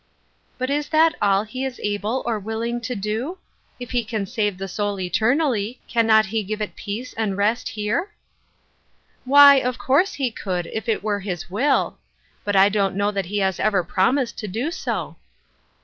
" But is that aU he is able or willing to do ? If he can save the soul eternally can not he give it peace and rest here ?"*' Why, of course he could, if it were his wiU; but I don't know that he has ever promised to do so."